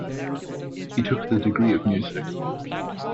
He took the degree of Mus.